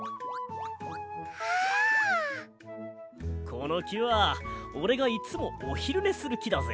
このきはおれがいつもおひるねするきだぜ。